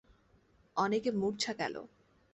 অনেকে মূর্ছা গেল।